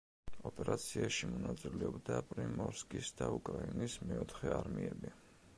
ოპერაციაში მონაწილეობდა პრიმორსკის და უკრაინის მეოთხე არმიები.